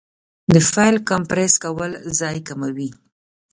د فایل کمپریس کول ځای کموي.